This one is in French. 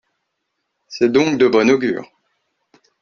C’est donc de bon augure.